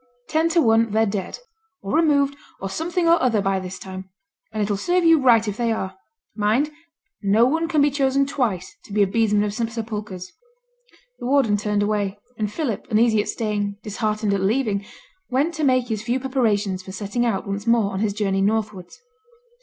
'Ten to one they're dead, or removed, or something or other by this time; and it'll serve you right if they are. Mind! no one can be chosen twice to be a bedesman of St Sepulchre's.' The warden turned away; and Philip, uneasy at staying, disheartened at leaving, went to make his few preparations for setting out once more on his journey northwards.